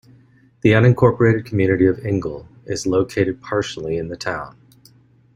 The unincorporated community of Ingle is located partially in the town.